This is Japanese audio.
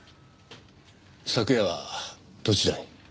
昨夜はどちらに？